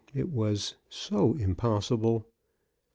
it was so impossible